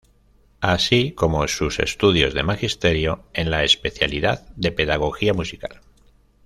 Así como sus estudios de Magisterio, en la especialidad de Pedagogía Musical.